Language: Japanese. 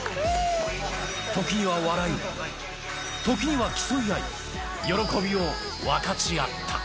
時には笑い、ときには競い合い、喜びを分かち合った。